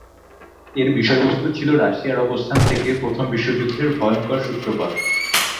এর বিষয়বস্তু ছিলো রাশিয়ার অবস্থান থেকে প্রথম বিশ্বযুদ্ধের ভয়ংকর সূত্রপাত।